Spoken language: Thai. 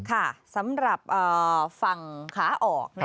ค่ะสำหรับฝั่งขาออก